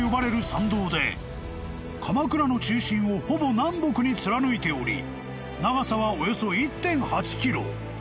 ［鎌倉の中心をほぼ南北に貫いており長さはおよそ１．８ｋｍ］